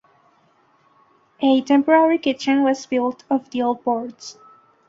A temporary kitchen was built of deal boards.